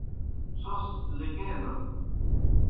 څھوْس لِکینَت۔